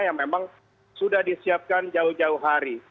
yang memang sudah disiapkan jauh jauh hari